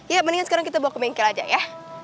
ya mendingan sekarang kita bawa ke bengkel aja ya